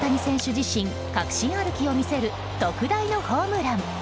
自身確信歩きを見せる特大のホームラン。